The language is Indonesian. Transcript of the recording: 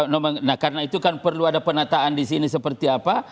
nah karena itu kan perlu ada penataan di sini seperti apa